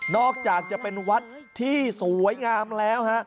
อกจากจะเป็นวัดที่สวยงามแล้วฮะ